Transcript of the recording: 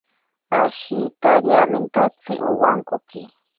Ashitariamentotsi owankoki.